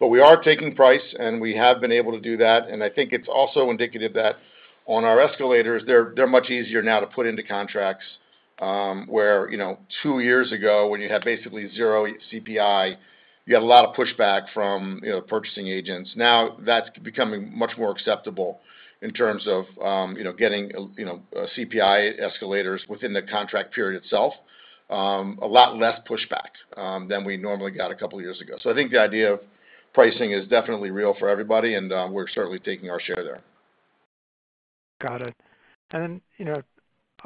We are taking price, and we have been able to do that, and I think it's also indicative that on our escalators, they're much easier now to put into contracts, where, you know, two years ago, when you had basically zero CPI, you had a lot of pushback from, you know, purchasing agents. Now that's becoming much more acceptable in terms of, you know, getting, you know, CPI escalators within the contract period itself. A lot less pushback than we normally got a couple years ago. I think the idea of pricing is definitely real for everybody, and we're certainly taking our share there. Got it. You know,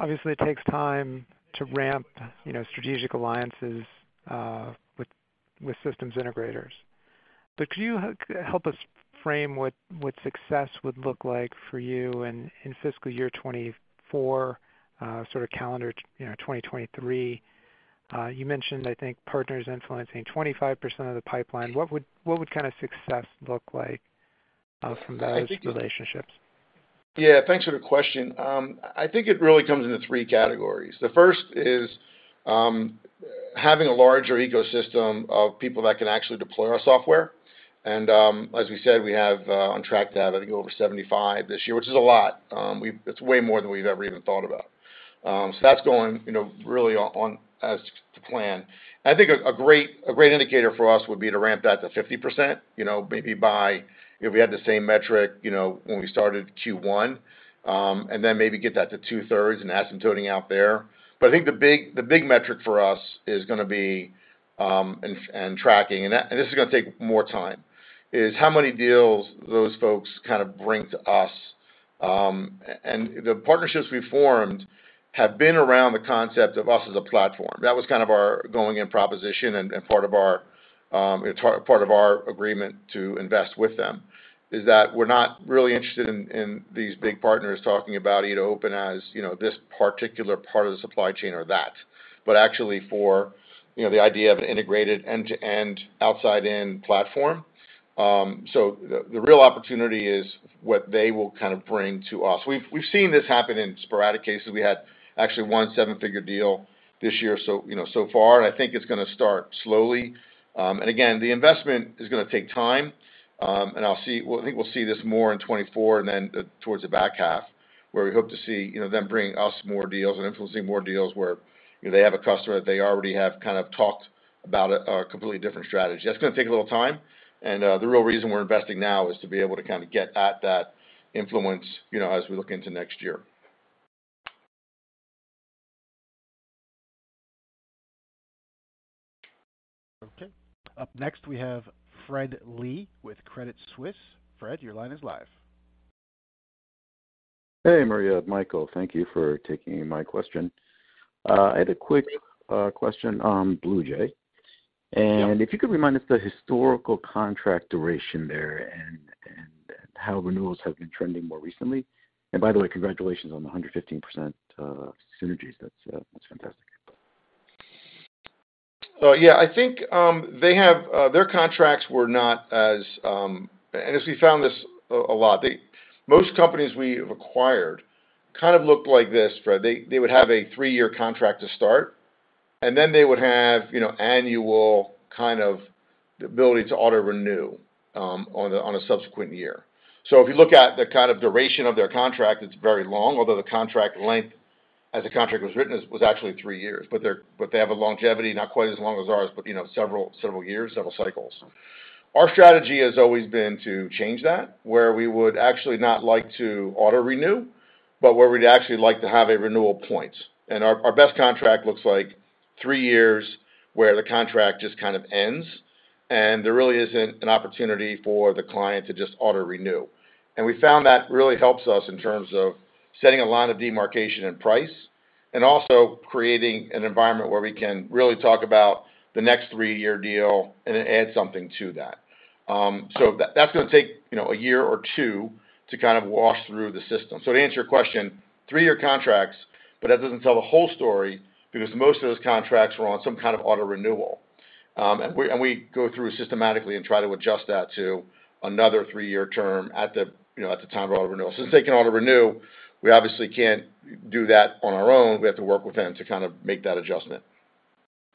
obviously it takes time to ramp, you know, strategic alliances with systems integrators. Could you help us frame what success would look like for you in fiscal year 2024, sort of calendar, you know, 2023? You mentioned, I think, partners influencing 25% of the pipeline. What would kind of success look like from those relationships? Yeah. Thanks for the question. I think it really comes into three categories. The first is having a larger ecosystem of people that can actually deploy our software. As we said, we're on track to have, I think, over 75 this year, which is a lot. It's way more than we've ever even thought about. That's going, you know, really according to plan. I think a great indicator for us would be to ramp that to 50%, you know, maybe by. If we had the same metric, you know, when we started Q1, and then maybe get that to 2/3 and asymptoting out there. I think the big metric for us is gonna be end-to-end tracking, and this is gonna take more time, is how many deals those folks kind of bring to us. The partnerships we formed have been around the concept of us as a platform. That was kind of our going-in proposition and part of our agreement to invest with them, is that we're not really interested in these big partners talking about E2open as, you know, this particular part of the supply chain or that, but actually for, you know, the idea of an integrated end-to-end outside-in platform. The real opportunity is what they will kind of bring to us. We've seen this happen in sporadic cases. We had actually one seven-figure deal this year so, you know, so far, and I think it's gonna start slowly. Again, the investment is gonna take time. Well, I think we'll see this more in 2024 and then, towards the back half, where we hope to see, you know, them bringing us more deals and influencing more deals where they have a customer they already have kind of talked about a completely different strategy. That's gonna take a little time, and the real reason we're investing now is to be able to kind of get at that influence, you know, as we look into next year. Okay. Up next, we have Fred Lee with Credit Suisse. Fred, your line is live. Hey, Marje Armstrong, thank you for taking my question. I had a quick question on BluJay. If you could remind us the historical contract duration there and how renewals have been trending more recently. By the way, congratulations on the 115% synergies. That's fantastic. I think they have their contracts were not as. As we found this a lot, most companies we acquired kind of looked like this, Fred Lee. They would have a three-year contract to start, and then they would have, you know, annual kind of the ability to auto-renew on a subsequent year. If you look at the kind of duration of their contract, it's very long, although the contract length as the contract was written was actually three years. They have a longevity, not quite as long as ours, but, you know, several years, several cycles. Our strategy has always been to change that, where we would actually not like to auto-renew, but where we'd actually like to have a renewal point. Our best contract looks like three years, where the contract just kind of ends, and there really isn't an opportunity for the client to just auto-renew. We found that really helps us in terms of setting a line of demarcation and price and also creating an environment where we can really talk about the next three-year deal and add something to that. That's gonna take, you know, a year or two to kind of wash through the system. To answer your question, three-year contracts, but that doesn't tell the whole story because most of those contracts were on some kind of auto-renewal. We go through systematically and try to adjust that to another three-year term at the, you know, at the time of auto-renewal. Since they can auto-renew, we obviously can't do that on our own. We have to work with them to kind of make that adjustment.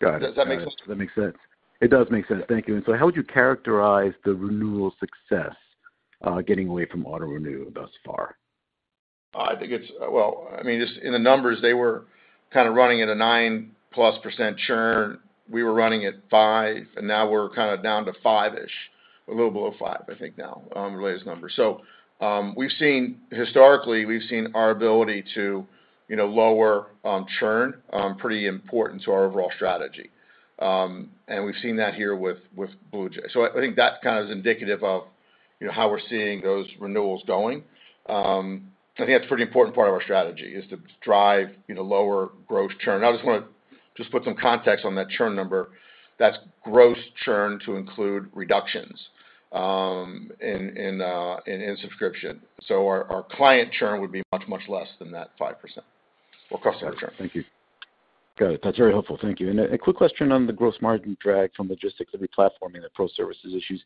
Got it. Does that make sense? That makes sense. It does make sense. Thank you. How would you characterize the renewal success, getting away from auto renew thus far? Well, I mean, just in the numbers, they were kind of running at a 9%+ churn. We were running at 5%, and now we're kinda down to five-ish, a little below five, I think now, the latest number. We've seen historically our ability to, you know, lower churn pretty important to our overall strategy. And we've seen that here with BluJay. I think that kind of is indicative of, you know, how we're seeing those renewals going. I think that's a pretty important part of our strategy, is to drive, you know, lower gross churn. I just wanna put some context on that churn number. That's gross churn to include reductions in subscription. Our client churn would be much less than that 5%. Well, customer churn. Thank you. Got it. That's very helpful. Thank you. Quick question on the gross margin drag from Logistyx, E2open platform and the pro services issues.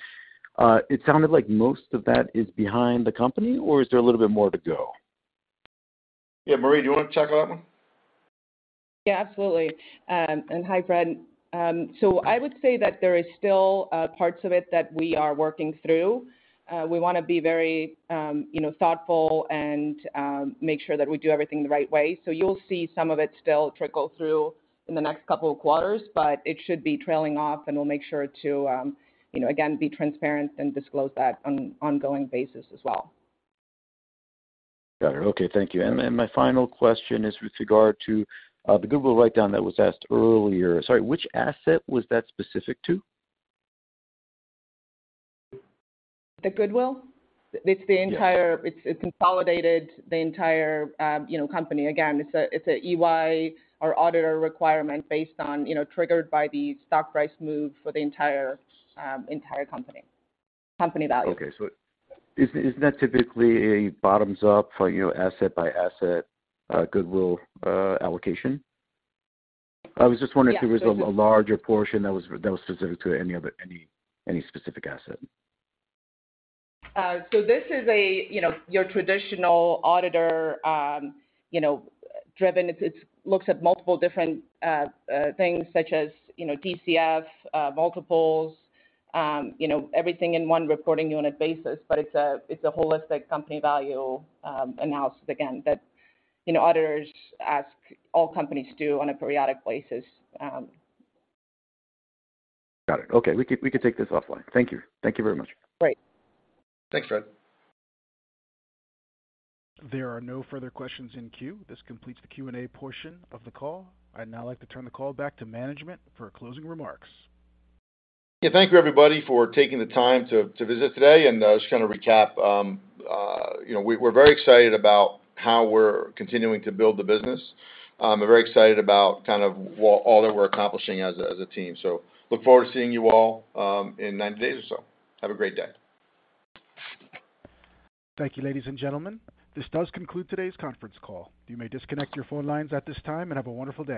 It sounded like most of that is behind the company, or is there a little bit more to go? Yeah, Marje, do you wanna tackle that one? Yeah, absolutely. Hi, Fred. I would say that there is still parts of it that we are working through. We wanna be very, you know, thoughtful and make sure that we do everything the right way. You'll see some of it still trickle through in the next couple of quarters, but it should be trailing off and we'll make sure to, you know, again, be transparent and disclose that on ongoing basis as well. Got it. Okay, thank you. My final question is with regard to the goodwill write-down that was asked earlier. Sorry, which asset was that specific to? The goodwill? It's the entire. Yeah. It consolidated the entire, you know, company. Again, it's an EY or auditor requirement based on, you know, triggered by the stock price move for the entire company value. Isn't that typically a bottoms up or, you know, asset by asset, Goodwill allocation? I was just wondering. Yeah. If there was a larger portion that was specific to any of it, any specific asset. This is a, you know, your traditional auditor, you know, driven. It looks at multiple different things such as, you know, DCF, multiples, you know, everything in one reporting unit basis, but it's a holistic company value analysis again, that, you know, auditors ask all companies do on a periodic basis. Got it. Okay. We can take this offline. Thank you. Thank you very much. Great. Thanks, Fred. There are no further questions in queue. This completes the Q&A portion of the call. I'd now like to turn the call back to management for closing remarks. Yeah. Thank you, everybody, for taking the time to visit today. Just kind of recap, you know, we're very excited about how we're continuing to build the business. We're very excited about kind of what all that we're accomplishing as a team. Look forward to seeing you all in 90 days or so. Have a great day. Thank you, ladies and gentlemen. This does conclude today's conference call. You may disconnect your phone lines at this time and have a wonderful day.